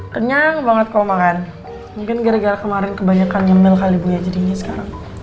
kenyang banget kalau makan mungkin gara gara kemarin kebanyakan nyemil kali bu ya jadinya sekarang